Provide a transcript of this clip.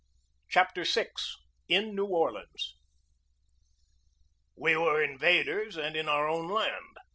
CHAPTER VI IN NEW ORLEANS WE were invaders and in our own land.